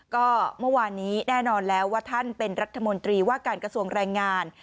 ก็เมื่อวานนี้แน่นอนแล้วว่าท่านเป็นรัฐมนตรีว่าการกระทรวงแรงงาน